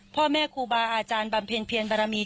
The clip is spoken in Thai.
พ่อแม่ครูบาอาจารย์บำเพ็ญเพียรบารมี